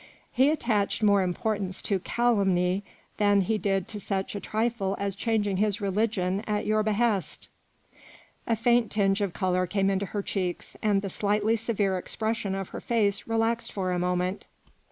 He attached 110 more importance to calumny than he did to such a trifle as changing his religion at your hehest." A faint tinge of colour came into her cheeks and the slightly severe expression of her face relaxed for a moment.